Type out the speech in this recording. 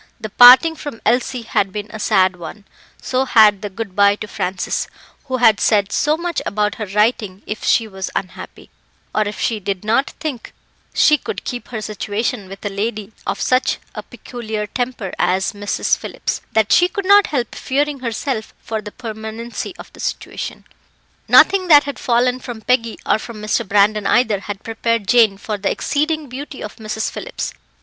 The parting from Elsie had been a sad one, so had the good bye to Francis, who had said so much about her writing if she was unhappy, or if she did not think she could keep her situation with a lady of such a peculiar temper as Mrs. Phillips, that she could not help fearing herself for the permanency of the situation. Nothing that had fallen from Peggy, or from Mr. Brandon either, had prepared Jane for the exceeding beauty of Mrs. Phillips.